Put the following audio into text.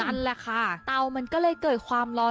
นั่นแหละค่ะเตามันก็เลยเกิดความร้อน